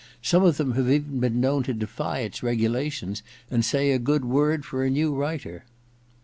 Some of them have even been known to defy its regulations and say a good word for a new writer.'